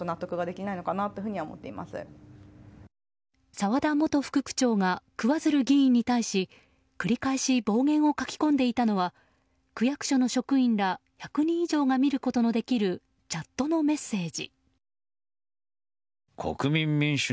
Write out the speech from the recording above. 澤田元副区長が桑水流議員に対し繰り返し暴言を書き込んでいたのは区役所の職員ら１００人以上が見ることのできるチャットのメッセージ。